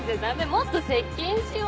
もっと接近しよう。